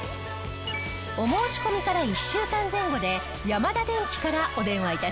お申し込みから１週間前後でヤマダデンキからお電話致します。